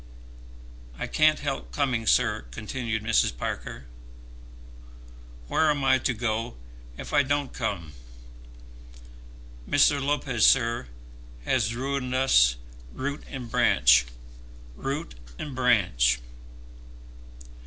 "I can't help coming, sir," continued Mrs. Parker. "Where am I to go if I don't come? Mr. Lopez, sir, has ruined us root and branch, root and branch."